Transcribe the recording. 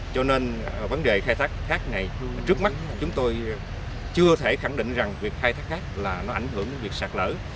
cho nên vấn đề khai thác cát này trước mắt chúng tôi chưa thể khẳng định rằng việc khai thác cát là nó ảnh hưởng đến việc sạt lở